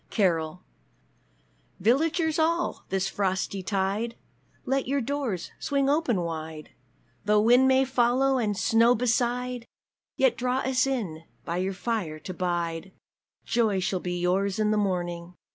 _ CAROL Villagers all, this frosty tide, Let your doors swing open wide, Though wind may follow, and snow beside, Yet draw us in by your fire to bide; Joy shall be yours in the morning!